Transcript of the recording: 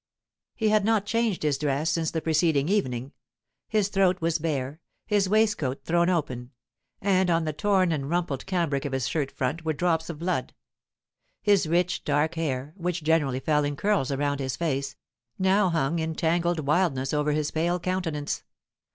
He had not changed his dress since the preceding evening; his throat was bare, his waistcoat thrown open, and on the torn and rumpled cambric of his shirt front were drops of blood. His rich, dark hair, which generally fell in curls around his face, now hung in tangled wildness over his pale countenance.